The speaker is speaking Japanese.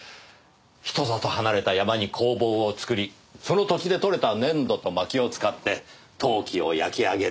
人里離れた山に工房を造りその土地でとれた粘土と薪を使って陶器を焼き上げる。